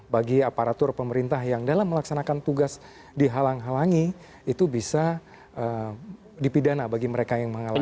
bagi aparatur pemerintah yang dalam melaksanakan tugas dihalang halangi itu bisa dipidana bagi mereka yang mengalami